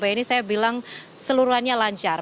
ini saya bilang seluruhannya lancar